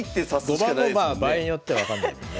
５番も場合によっては分かんないもんね。